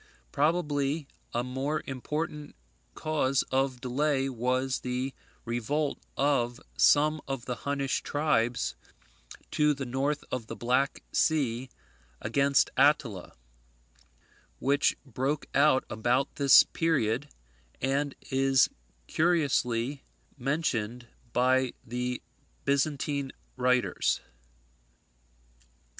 Probably a more important cause of delay was the revolt of some of the Hunnish tribes to the north of the Black Sea against Attila, which broke out about this period, and is cursorily mentioned by the Byzantine writers.